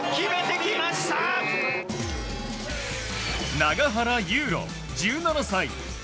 永原悠路、１７歳。